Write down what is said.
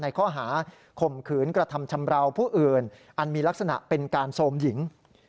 ข้อหาข่มขืนกระทำชำราวผู้อื่นอันมีลักษณะเป็นการโทรมหญิง